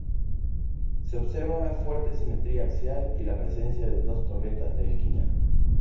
Se observa una fuerte simetría axial y la presencia de dos torretas de esquina.